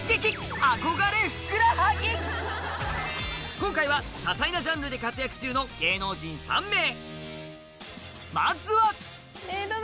今回は多彩なジャンルで活躍中の芸能人３名まずは！